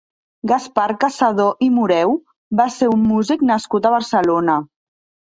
Gaspar Cassadó i Moreu va ser un músic nascut a Barcelona.